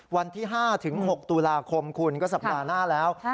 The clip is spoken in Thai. วันที่๕ถึง๖ตุลาคมคุณก็สัปดาห์หน้าแล้ว